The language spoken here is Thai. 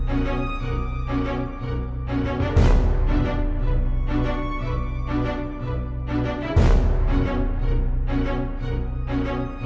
อืม